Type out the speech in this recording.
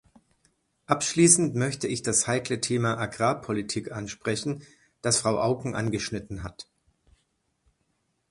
Abschließend möchte ich das heikle Thema "Agrarpolitik" ansprechen, das Frau Auken angeschnitten hat.